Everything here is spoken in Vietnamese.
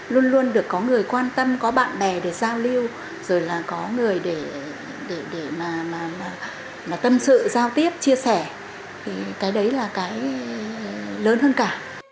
luôn luôn được có người quan tâm có bạn bè để giao lưu rồi là có người để mà tâm sự giao tiếp chia sẻ thì cái đấy là cái lớn hơn cả